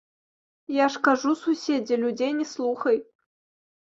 Я ж кажу, суседзе, людзей не слухай!